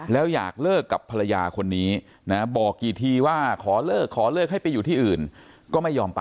แล้วอยากเลิกกับภรรยาคนนี้นะบอกกี่ทีว่าขอเลิก